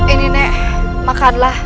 ini nek makanlah